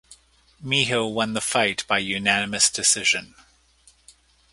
Miho won the fight by unanimous decision.